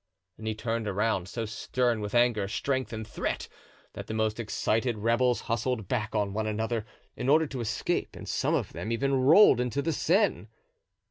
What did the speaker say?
And he turned around, so stern with anger, strength and threat, that the most excited rebels hustled back on one another, in order to escape, and some of them even rolled into the Seine.